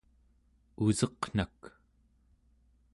useqnak